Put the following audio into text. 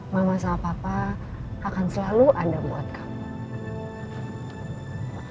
mama sama papa akan selalu ada buat kamu